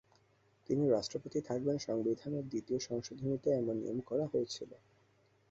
তিনি রাষ্ট্রপতি থাকবেন সংবিধানের দ্বিতীয় সংশোধনীতে এমন নিয়ম করা হয়েছিল।